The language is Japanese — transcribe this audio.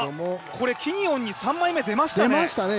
これキニオンに３枚目出ましたね。